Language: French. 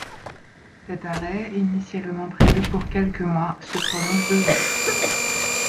Cet arrêt initialement prévu pour quelques mois se prolonge deux ans.